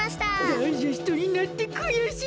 ダイジェストになってくやしい！